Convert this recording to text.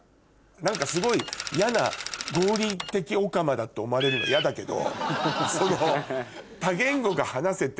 何かすごい嫌な合理的オカマだと思われるの嫌だけど。